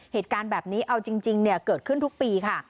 เหตุการณ์แบบนี้เอาจริงเกิดขึ้นทุกปีค่ะ